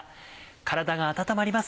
体が温まります。